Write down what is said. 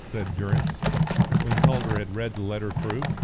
said Durrance, when Calder had read the letter through.